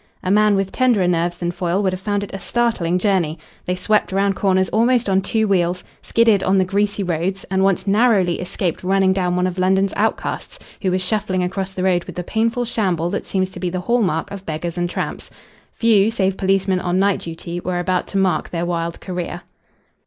A man with tenderer nerves than Foyle would have found it a startling journey. They swept round corners almost on two wheels, skidded on the greasy roads, and once narrowly escaped running down one of London's outcasts who was shuffling across the road with the painful shamble that seems to be the hall mark of beggars and tramps. Few, save policemen on night duty, were about to mark their wild career.